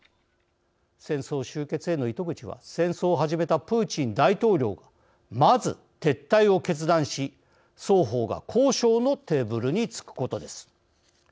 戦争終結への糸口は戦争を始めたプーチン大統領がまず撤退を決断し、双方が交渉のテーブルに着くことです。